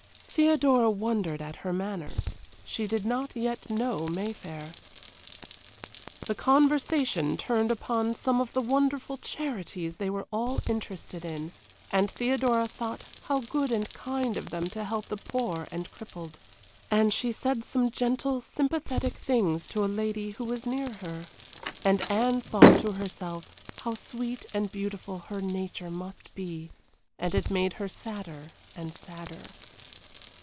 Theodora wondered at her manners she did not yet know Mayfair. The conversation turned upon some of the wonderful charities they were all interested in, and Theodora thought how good and kind of them to help the poor and crippled. And she said some gentle, sympathetic things to a lady who was near her. And Anne thought to herself how sweet and beautiful her nature must be, and it made her sadder and sadder.